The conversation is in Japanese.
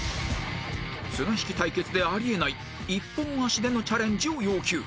綱引き対決であり得ない１本足でのチャレンジを要求